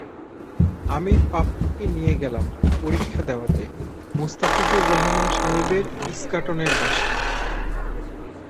আমি পাপ্পুকে নিয়ে গেলাম পরীক্ষা দেওয়াতে, মোস্তাফিজুর রহমান সাহেবের ইস্কাটনের বাসায়।